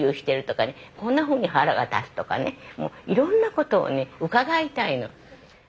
こんなふうに腹が立つとかねいろんなことをね伺いたいの。